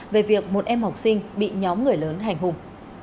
về việc một em học sinh bị nhóm người lớn hành hung